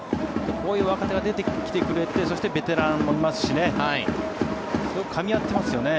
こういう若手が出てきてくれてそしてベテランもいますからね。